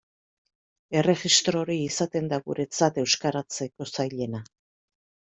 Erregistro hori izaten da guretzat euskaratzeko zailena.